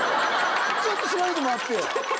ちょっと調べてもらってよ。